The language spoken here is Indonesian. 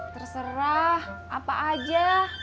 terserah apa aja